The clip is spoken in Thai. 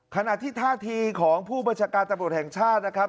ขณะที่ท่าทีของผู้บัญชาการตำรวจแห่งชาตินะครับ